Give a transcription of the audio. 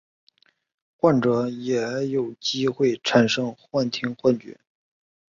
患者也有机会产生幻听幻觉。